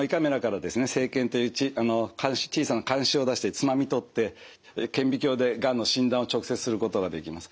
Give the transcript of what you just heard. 生検という小さな鉗子を出してつまみ取って顕微鏡でがんの診断を直接することができます。